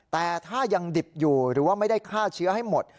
แต่ถ้ายังดิบอยู่หรือว่าไม่ได้ฆ่าเชื้อให้หมด